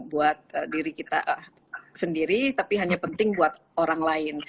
buat diri kita sendiri tapi hanya penting buat orang lain